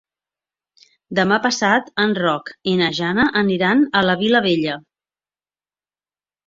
Demà passat en Roc i na Jana aniran a la Vilavella.